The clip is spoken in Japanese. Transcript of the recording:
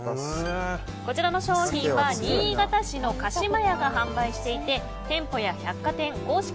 こちらの商品は新潟市の加島屋が販売していて店舗や百貨店公式